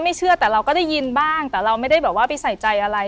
เชื่อแต่เราก็ได้ยินบ้างแต่เราไม่ได้แบบว่าไปใส่ใจอะไร